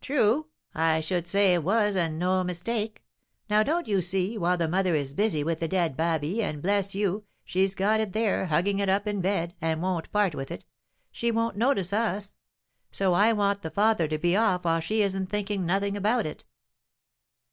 "True? I should say it was and no mistake! Now, don't you see, while the mother is busy with the dead babby and, bless you! she's got it there, hugging it up in bed, and won't part with it! she won't notice us? So I want the father to be off while she isn't thinking nothing about it!"